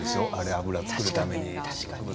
油を作るために。